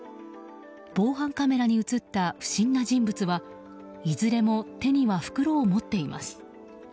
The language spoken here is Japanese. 防犯カメラに映った不審な人物はいずれも手には袋を持っています。